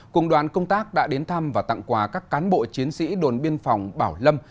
cùng đoàn công tác đã đến thăm và tặng quà các cán bộ chiến sĩ đồn biên phòng bảo lâm